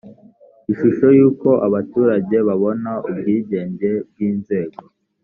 ishusho y’uko abaturage babona ubwigenge bw’inzego